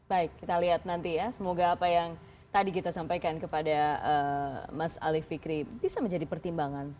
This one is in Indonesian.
baik kita lihat nanti ya semoga apa yang tadi kita sampaikan kepada mas ali fikri bisa menjadi pertimbangan